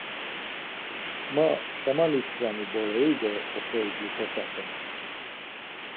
Ma xamali-tkvani bore-i do oxori gikosaten!